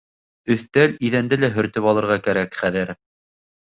Өҫтәл, иҙәнде лә һөртөп алырға кәрәк хәҙер.